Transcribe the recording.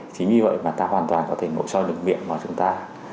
chính vì vậy mà ta hoàn toàn có thể nội soi đường miệng vào chúng ta